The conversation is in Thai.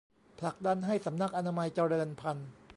ผลักดันให้สำนักอนามัยเจริญพันธุ์